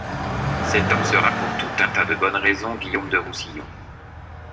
Cet homme sera pour tout un tas de bonnes raisons Guillaume de Roussillon.